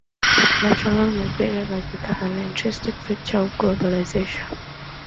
International migration has become an intrinsic feature of globalization.